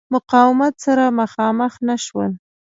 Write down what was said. مقاومت سره مخامخ نه شول.